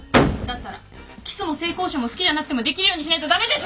だったらキスも性交渉も好きじゃなくてもできるようにしないと駄目でしょ！